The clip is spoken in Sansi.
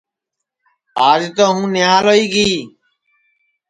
آج تو ہوں نھیال ہوئی گی